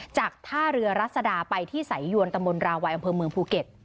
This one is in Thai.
จากท่าเรือรัศดาไปที่สายยวนตมราวัยอำเภอเมืองภูเก็ต